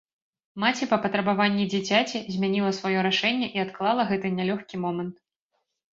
Маці па патрабаванні дзіцяці, змяніла сваё рашэнне і адклала гэты нялёгкі момант.